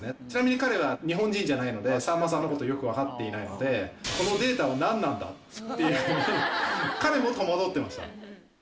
ちなみに彼は日本人じゃないので、さんまさんのことよく分かっていないので、このデータは何なんだっていうふうに、彼も戸惑ってました。